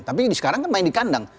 tapi sekarang kan main di kandang